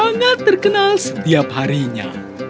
sangat terkenal setiap harinya